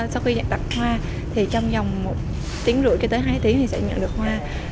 sau khi đặt hoa trong vòng một tiếng rưỡi tới hai tiếng thì sẽ nhận được hoa